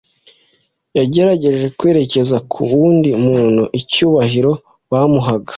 Yagerageje kwerekeza ku wundi muntu icyubahiro bamuhaga'.